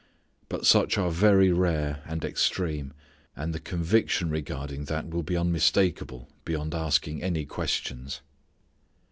But such are very rare and extreme, and the conviction regarding that will be unmistakable beyond asking any questions.